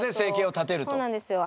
そうなんですよ。